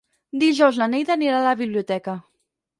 Dijous na Neida anirà a la biblioteca.